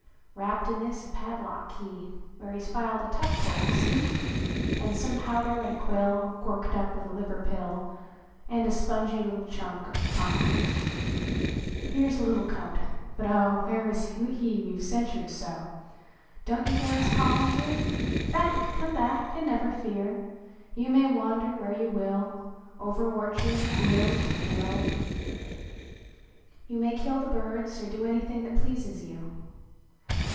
\Yrapped in this a ])adlock key \Yhere he s filed a touch hole see! And some powder in a quill Corked up with a liver pill ; And a spongy little chunk Of " punk." Mere s the little coat hut O! "\\here is he we ve censured so! Don t you hear us calling, dear? P>ack ! come hack, and never fear. You may wander where you will. Over orchard, field and hill ; THE LITTLE COAT You may kill the birds, or do Anything that pleases you